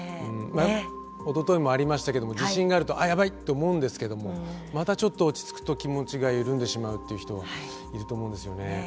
おとといもありましたけども地震があるとあっやばいって思うんですけどもまたちょっと落ち着くと気持ちが緩んでしまうっていう人はいると思うんですよね。